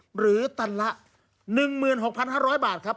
หรือตันละ๑๖๕๐๐บาทครับ